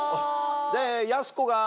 やす子が。